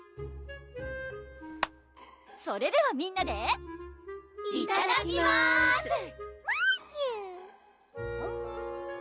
それではみんなでいただきますまちゅ！